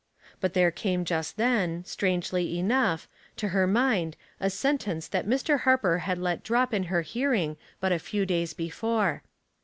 But there came just then, strangely enough, to her mind a sentence that Mr. Harper had let drop in her hearing but a few days before.